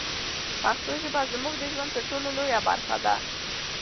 پښتو ژبه زموږ د ژوند تر ټولو لویه برخه ده.